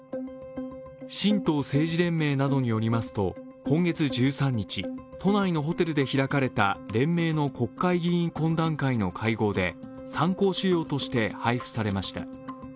神道政治連盟などによりますと今月１３日都内のホテルで開かれた連盟の国会議員懇談会の会合で参考資料として配布されました。